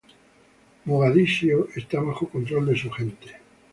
Mogadiscio está bajo control de su gente.